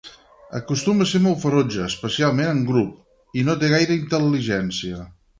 Acostuma a ser molt ferotge, especialment en grup, i no té gaire intel·ligència.